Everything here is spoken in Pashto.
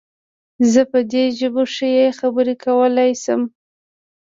زه په دې ژبو ښې خبرې او لیکل کولی شم